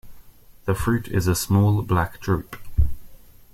The fruit is a small black drupe.